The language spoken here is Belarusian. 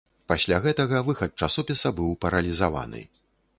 Пасля гэтага выхад часопіса быў паралізаваны.